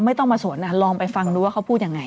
ไม่ต้องมาสวนลองไปฟังดูว่าเขาพูดยังไง